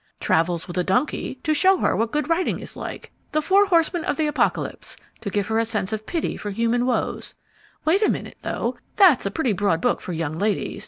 Travels with a Donkey, to show her what good writing is like. The Four Horsemen of the Apocalypse to give her a sense of pity for human woes wait a minute, though: that's a pretty broad book for young ladies.